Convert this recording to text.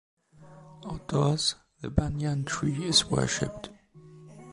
Outdoors, the banyan tree is worshiped.